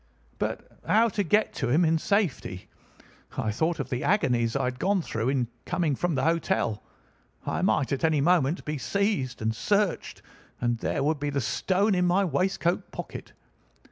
But how to get to him in safety? I thought of the agonies I had gone through in coming from the hotel. I might at any moment be seized and searched, and there would be the stone in my waistcoat pocket.